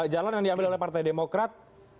jalan yang diambil oleh partai demokrat